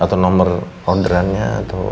atau nomor orderannya